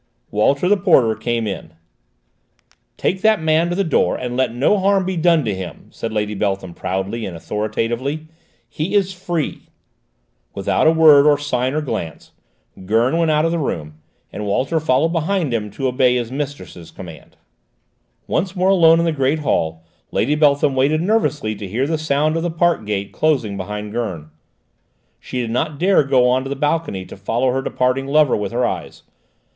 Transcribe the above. Walter, the porter, came in. "Take that man to the door, and let no harm be done to him," said Lady Beltham proudly and authoritatively. "He is free." Without a word, or sign, or glance, Gurn went out of the room, and Walter followed behind him to obey his mistress's command. Once more alone in the great hall, Lady Beltham waited nervously to hear the sound of the park gate closing behind Gurn. She did not dare go on to the balcony to follow her departing lover with her eyes.